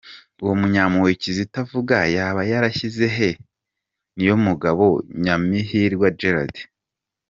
Uwo Munyampuhwe Kizito avuga, yaba yarashyize he Niyomugabo Nyamihirwa Gerald?